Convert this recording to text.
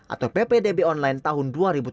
atau ppdb online tahun dua ribu tujuh belas